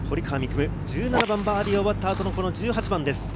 夢、１７番、バーディーを奪ったあとの１８番です。